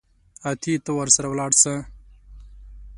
اتې ته ورسره ولاړ سه.